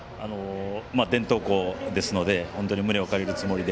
伝統校ですので胸を借りるつもりで